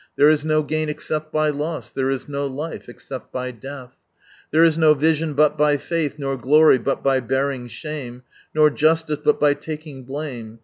There is no gain except by loss, There is no life except by death, There is no vision but by faith, Nor glory but by bearing shame, Nor justice but by talcing blame.